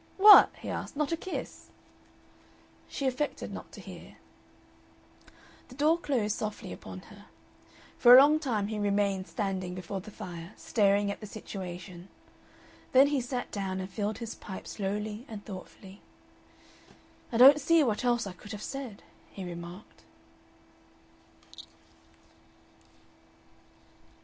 "What!" he asked; "not a kiss?" She affected not to hear. The door closed softly upon her. For a long time he remained standing before the fire, staring at the situation. Then he sat down and filled his pipe slowly and thoughtfully.... "I don't see what else I could have said," he remarked.